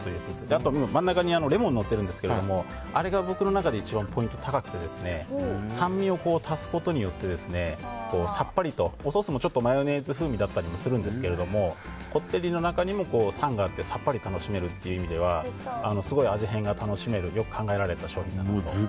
あと真ん中にレモンがのっていますが、あれが僕の中で一番ポイント高くて酸味を足すことによってさっぱりとソースもマヨネーズ風味だったりするんですがこってりの中にも酸味があってさっぱり楽しめるという意味ではすごい味変が楽しめるよく考えられた商品だと思います。